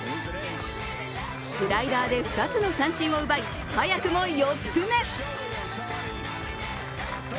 スライダーで２つの三振を奪い早くも４つ目。